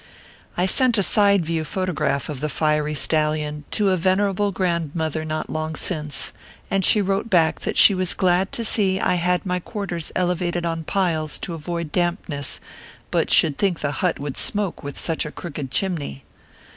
I sent a side view photograph of the fiery stallion to a venerable grandmother not long since, and she wrote back that she was glad to see I had my quar ters elevated on piles to avoid dampness, but should think the hut would s*moke with such a crooked chimney